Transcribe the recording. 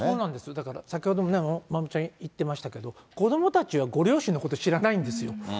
だから、先ほどもね、まおみちゃん言ってましたけど、子どもたちはご両親のこと知らないんですよ。